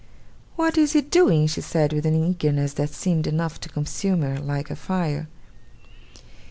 'What is he doing?' she said, with an eagerness that seemed enough to consume her like a fire.